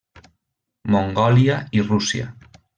Mongòlia i Rússia.